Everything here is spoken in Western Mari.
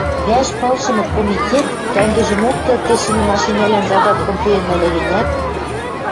Вӓш палшымы комитет кӓнгӹжӹмок кӹлте шимӹ машинӓлӓн задаткым пуэн ыльы гӹнят